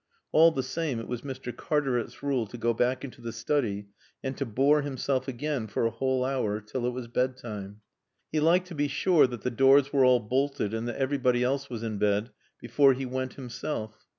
All the same, it was Mr. Cartaret's rule to go back into the study and to bore himself again for a whole hour till it was bed time. He liked to be sure that the doors were all bolted and that everybody else was in bed before he went himself.